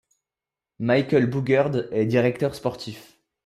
Michael Boogerd est directeur sportif.